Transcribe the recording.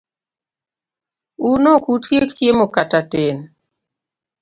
Un ok utiek chiemo kata tin?